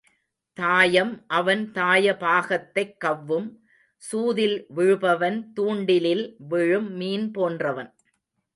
தாயம் அவன் தாய பாகத்தைக் கவ்வும், சூதில் விழுபவன் துண்டி லில் விழும் மீன் போன்றவன்.